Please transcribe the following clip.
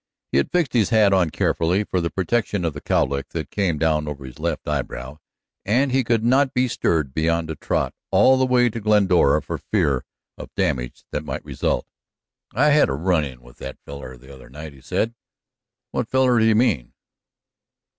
He had fixed his hat on carefully, for the protection of the cowlick that came down over his left eyebrow, and he could not be stirred beyond a trot all the way to Glendora for fear of damage that might result. "I had a run in with that feller the other night," he said. "What feller do you mean?"